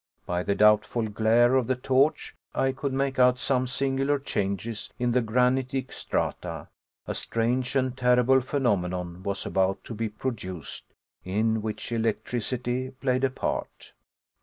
By the doubtful glare of the torch, I could make out some singular changes in the granitic strata; a strange and terrible phenomenon was about to be produced, in which electricity played a part.